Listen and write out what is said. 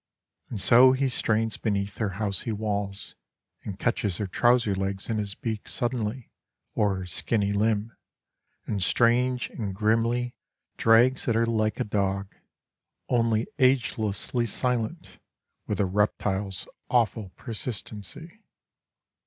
And so he strains beneath her housey walls And catches her trouser legs in his beak Suddenly, or her skinny limb, And strange and grimly drags at her Like a dog, Only agelessly silent, with a reptile's awful persistency.